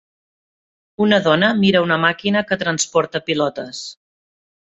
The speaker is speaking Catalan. Una dona mira una màquina que transporta pilotes.